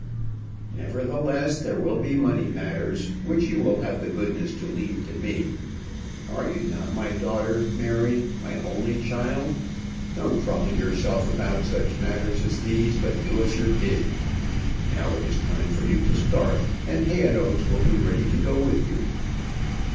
"Nevertheless there will be money matters, which you will have the goodness to leave to me. Are you not my daughter, Mary, my only child? Don't trouble yourself about such matters as these, but do as you're bid. Now it is time for you to start, and Hayonotes will be ready to go with you."